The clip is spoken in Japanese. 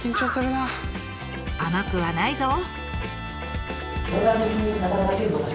甘くはないぞ！